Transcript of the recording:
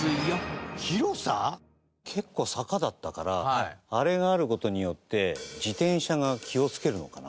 結構坂だったからあれがある事によって自転車が気をつけるのかな？